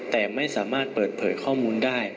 แต่ไม่สามารถเปิดเผยข้อมูลได้